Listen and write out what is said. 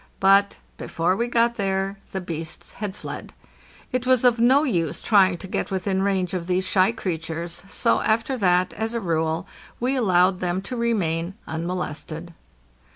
But before we got there the beasts had fled. It was of no use trying to get within range of these shy creatures, so, after that, as a rule, we allowed them to remain unmolested.